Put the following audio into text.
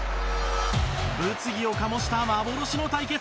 物議を醸した幻の対決